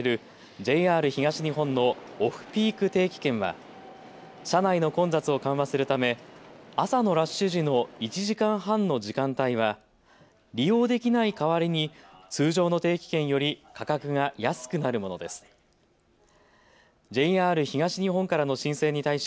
ＪＲ東日本のオフピーク定期券は車内の混雑を緩和するため朝のラッシュ時の１時間半の時間帯は利用できない代わりに通常の定期券より価格が安くなるものです。